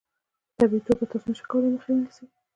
په طبیعي توګه تاسو نشئ کولای مخه ونیسئ.